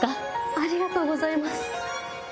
ありがとうございます。